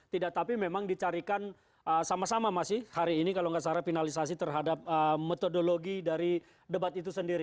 tidak tapi memang dicarikan sama sama masih hari ini kalau nggak salah finalisasi terhadap metodologi dari debat itu sendiri